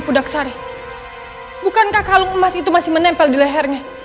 bukankah kalung emas itu masih menempel di lehernya